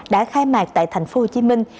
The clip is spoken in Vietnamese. đã khai mạc tại thành phố hồ chí minh